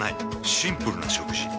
シンプルな食事。